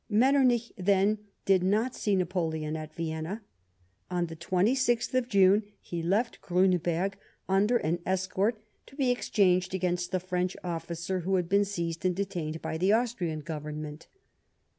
Metternich, then, did not see Napoleon at Vienna. On the 2Gth June he left Griinberg under an escort to be exchanged against the French officer who had been seized and detained by the Austrian Government.